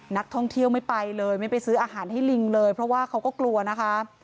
นักท่องเที่ยวไม่ไปเลยไม่ไปซื้ออาหารให้ลิงเลยเพราะว่าเขาก็กลัวนะคะ